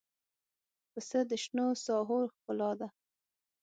پسه د شنو ساحو ښکلا ده.